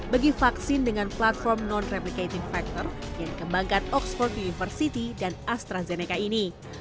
bagi vaksin dengan platform non replicating factor yang dikembangkan oxford university dan astrazeneca ini